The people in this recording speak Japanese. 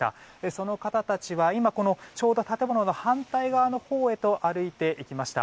その方たちは今、ちょうど建物の反対側のほうへと歩いていきました。